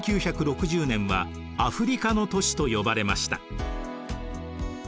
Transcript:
１９６０年は「アフリカの年」と呼ばれました。